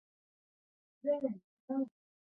جلغوزه د پکتیا نښه ده.